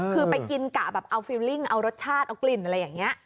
คือไปกินกะแบบเอาฟิลลิ่งเอารสชาติเอากลิ่นอะไรอย่างนี้